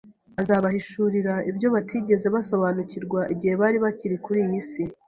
azabahishurira ibyo batigeze basobanukirwa igihe bari bakiri kuri iyi si.